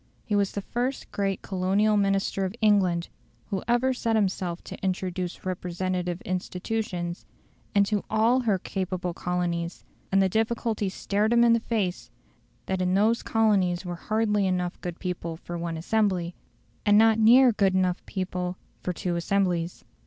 He was the first great Colonial Minister of England who ever set himself to introduce representative institutions into ALL her capable colonies, and the difficulty stared him in the face that in those colonies there were hardly enough good people for one assembly, and not near enough good people for two assemblies.